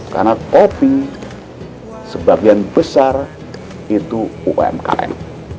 karena kopi sebagian besar itu umkm